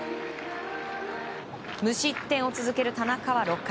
無失点を続ける田中は６回。